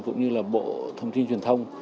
cũng như là bộ thông tin truyền thông